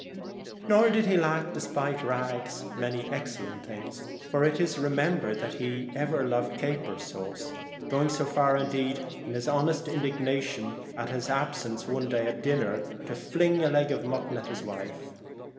Nor did he lack, despite his rags, many excellent things, for it is re membered that he ever loved caper sauce, going so far indeed in his honest indig nation at its absence upon one occasion as to fling a leg of mutton at his wife.